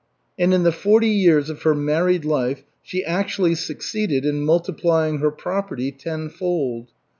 And in the forty years of her married life she actually succeeded in multiplying her property tenfold.